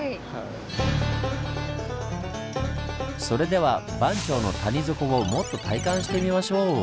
それでは番町の谷底をもっと体感してみましょう！